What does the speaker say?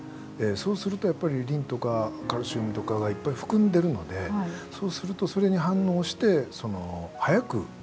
そうするとやっぱりリンとかカルシウムとかがいっぱい含んでるのでそうするとそれに反応して早くアルコールに変わっていきやすい。